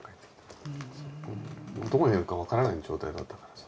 どこにいるか分からない状態だったからさ。